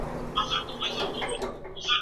لس وروسته له نهو راځي.